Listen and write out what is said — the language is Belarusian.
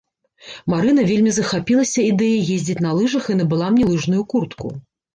Марына вельмі захапілася ідэяй ездзіць на лыжах і набыла мне лыжную куртку.